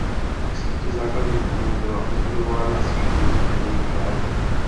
K síti základních bodů byla vybudována síť bodů prvního řádu.